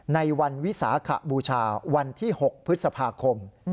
ในวันวิสาขบูชาวันที่๖พฤษภาคม